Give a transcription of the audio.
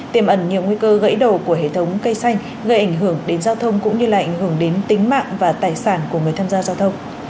tiềm ẩn nhiều nguy cơ gãy đổ của hệ thống cây xanh gây ảnh hưởng đến giao thông cũng như là ảnh hưởng đến tính mạng và tài sản của người tham gia giao thông